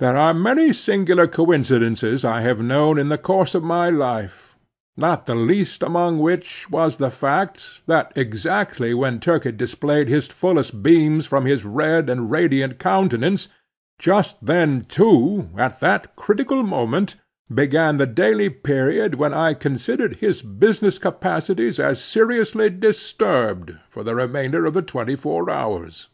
There are many singular coincidences I have known in the course of my life, not the least among which was the fact, that exactly when Turkey displayed his fullest beams from his red and radiant countenance, just then, too, at that critical moment, began the daily period when I considered his business capacities as seriously disturbed for the remainder of the twenty four hours.